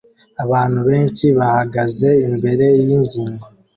Abantu benshi bahagaze imbere yingingo